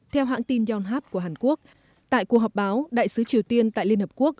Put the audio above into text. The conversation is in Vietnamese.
theo hãng tin yonhap của hàn quốc tại cuộc họp báo đại sứ triều tiên tại liên hợp quốc